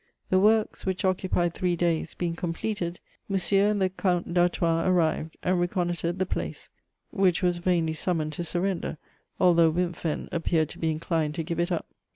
The works, which occupied three days, being 'completed, Monsieur and the Count d*Artois arrived, and reconnoitrod the place, which was vainly summoned to surrender, although Wimpfen appeared to be inclined to give it up.